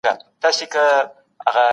هغه د خصوصي سکتور په ګټو خبرې کوي.